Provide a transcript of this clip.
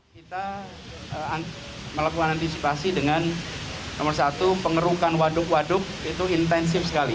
kita melakukan antisipasi dengan nomor satu pengerukan waduk waduk itu intensif sekali